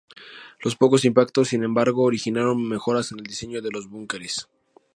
Los pocos impactos, sin embargo, originaron mejoras en el diseño de los búnkeres.